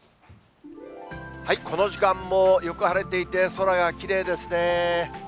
この時間もよく晴れていて、空がきれいですね。